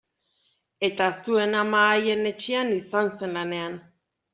Eta zuen ama haien etxean izan zen lanean.